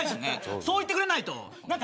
そう言ってくれないと。